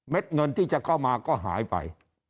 เงินที่จะเข้ามาก็หายไป